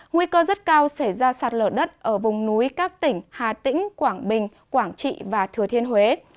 nguy cơ rất cao xảy ra sạt lở đất ở vùng núi các tỉnh hà tĩnh quảng bình quảng trị và thừa thiên huế